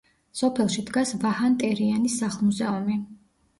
სოფელში დგას ვაჰან ტერიანის სახლ-მუზეუმი.